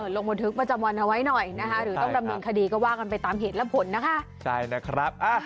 ลงบันทึกประจำวันเอาไว้หน่อยนะคะหรือต้องดำเนินคดีก็ว่ากันไปตามเหตุและผลนะคะใช่นะครับ